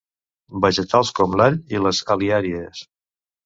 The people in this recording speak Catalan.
Vegetals com l'all i les al·liàries.